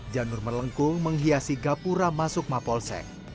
janur melengkung menghiasi gapura masukma polsek